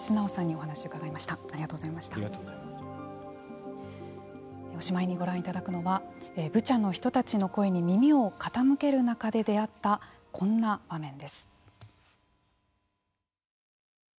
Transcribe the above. おしまいにご覧いただくのはブチャの人たちの声に耳を傾ける中で出会ったこんな場面です。